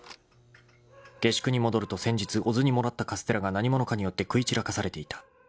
［下宿に戻ると先日小津にもらったカステラが何者かによって食い散らかされていた］